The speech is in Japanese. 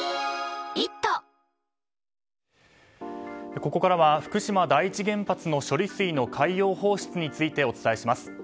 ここからは福島第一原発の処理水の海洋放出についてお伝えします。